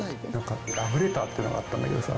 「ラブレター」ってのがあったんだけどさ